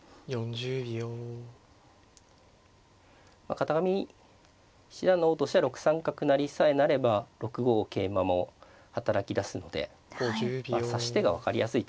片上七段の方としては６三角成さえ成れば６五桂馬も働きだすので指し手が分かりやすいという。